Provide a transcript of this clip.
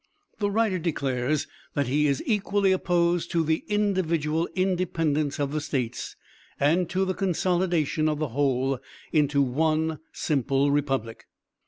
The writer declares that he is equally opposed to 'the individual independence of the States,' and to 'the consolidation of the whole into one simple republic.'